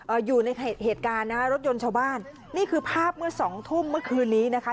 อยู่ในเหตุการณ์นะฮะรถยนต์ชาวบ้านนี่คือภาพเมื่อสองทุ่มเมื่อคืนนี้นะคะ